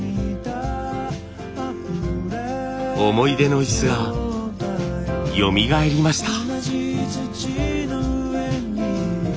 思い出の椅子がよみがえりました。